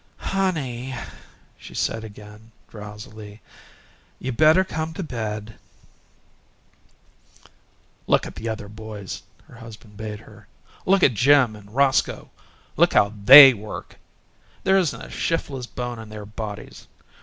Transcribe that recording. "Honey," she said again, drowsily, "you better come to bed." "Look at the other boys," her husband bade her. "Look at Jim and Roscoe. Look at how THEY work! There isn't a shiftless bone in their bodies.